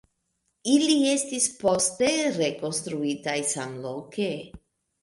Ili estis poste rekonstruitaj samloke.